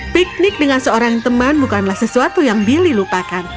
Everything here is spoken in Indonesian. piknik dengan seorang teman bukanlah sesuatu yang billy lupakan